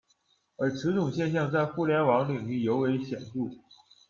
而此种现象在互联网领域尤为显着。